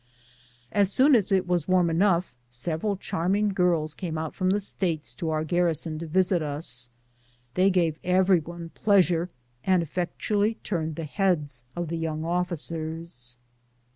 As soon as it was warm enough, several charm ing girls came out from the States to our garrison to visit us. They gave every one pleasure, and effectually turned the heads of the young officers.